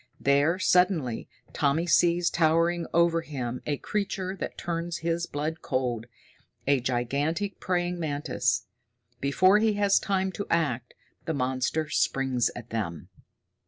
There, suddenly, Tommy sees towering over him a creature that turns his blood cold a gigantic praying mantis. Before he has time to act, the monster springs at them!